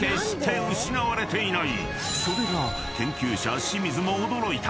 ［それが研究者清水も驚いた］